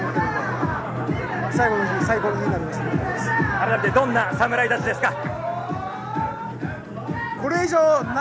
改めてどんな侍たちですか？